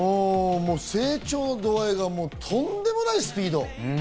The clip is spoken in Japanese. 成長度合いがとんでもないスピード。